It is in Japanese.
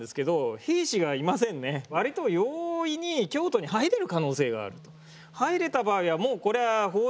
割と容易に京都に入れる可能性があると。